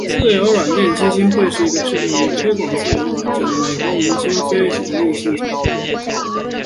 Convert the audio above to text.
自由软件基金会是一个致力于推广自由软件的美国民间非营利性组织。